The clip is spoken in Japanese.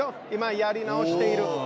やり直している。